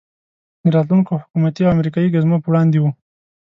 د راتلونکو حکومتي او امریکایي ګزمو په وړاندې وو.